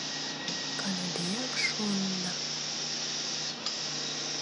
Каныдеак шуынна